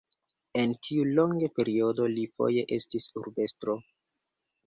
En tiu longe periodo li foje estis urbestro.